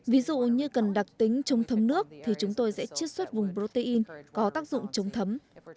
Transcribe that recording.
ví dụ như cần đặc tính chống thấm nước thì chúng tôi sẽ chiết xuất vùng protein có tác dụng chống thấm